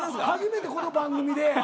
初めてこの番組で。